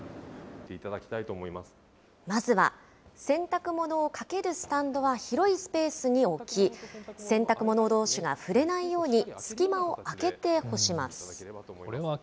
まずは洗濯物をかけるスタンドは広いスペースに置き、洗濯物どうしが触れないように、隙間を空けて干します。